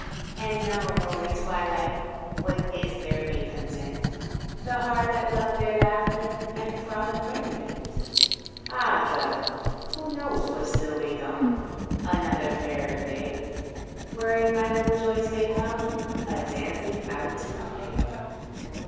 And now alone at twilight What is there may content The heart that loved their laughter And frolic merriment? Ah well, who knows but still may dawn Another fairer day Wherein my little joys may come A dancing out to play.